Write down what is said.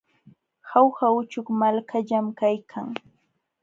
Jauja uchuk malkallam kaykan.